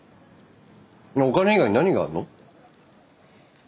お金以外に何があるの？